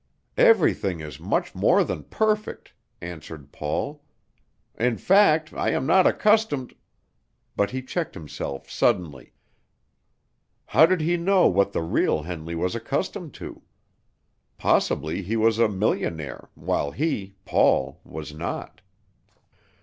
"Everything is much more than perfect," answered Paul; "in fact, I am not accustomed " But he checked himself suddenly. How did he know what the real Henley was accustomed to? Possibly he was a millionaire, while he, Paul was not.